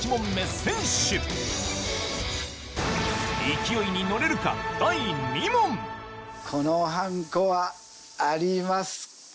勢いに乗れるかこのはんこはありますか？